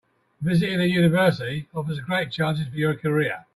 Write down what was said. Visiting a university offers great chances for your career.